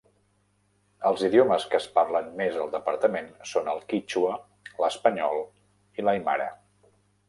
Els idiomes que es parlen més al departament son el quítxua, l'espanyol i l'aimara.